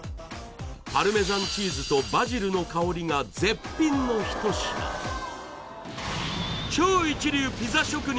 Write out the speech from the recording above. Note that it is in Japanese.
パルメザンチーズとバジルの香りが絶品の一品果たして？